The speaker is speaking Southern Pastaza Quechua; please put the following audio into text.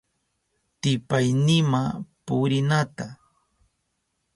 Tipaynima purinata,